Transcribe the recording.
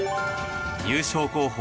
優勝候補